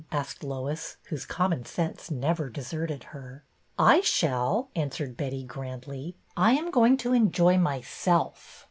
" asked Lois, whose common sense never deserted her, " I shall," answered Betty, grandly. " I am going to enjoy myself.